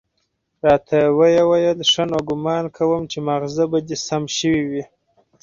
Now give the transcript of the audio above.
راته ويې ويل ښه نو ګومان کوم چې ماغزه به دې سم شوي وي.